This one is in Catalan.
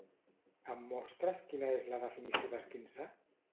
Em mostres quina és la definició d'esquinçar?